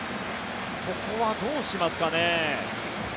ここはどうしますかね。